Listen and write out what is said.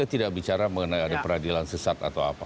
saya tidak bicara mengenai ada peradilan sesat atau apa